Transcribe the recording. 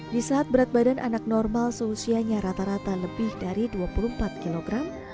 di saat berat badan anak normal seusianya rata rata lebih dari dua puluh empat kilogram